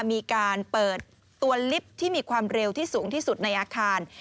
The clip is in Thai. มีการเปิดตัวลิฟต์ที่มีความเร็วที่สูงที่สุดในอาคาร